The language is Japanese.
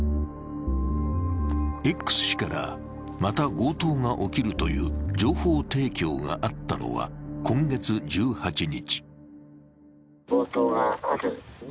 Ｘ氏から、また強盗が起きるという情報提供があったのは今月１８日。